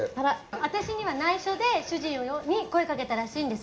私には内緒で主人に声かけたらしいんです。